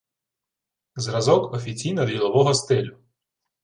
Зразок офіційно- ділового стилю